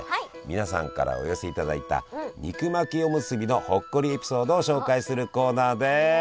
皆さんからお寄せいただいた肉巻きおむすびの「ほっこりエピソード」を紹介するコーナーです！